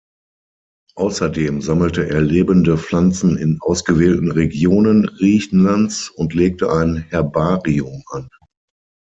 Außerdem sammelte er lebende Pflanzen in ausgewählten Regionen Griechenlands und legte ein Herbarium an.